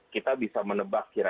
kita bisa menebak kira kira